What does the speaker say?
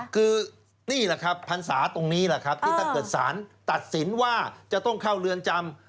คือนี่แหละครับพรรษาตรงนี้แหละครับที่ถ้าเกิดสารตัดสินว่าจะต้องเข้าเรือนจำ